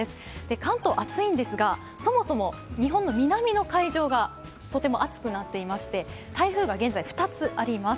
関東は暑いんですが、そもそも日本の南の海上がとても暑くなっていまして、台風が現在、２つあります。